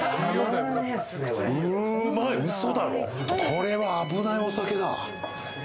これは危ないお酒だ。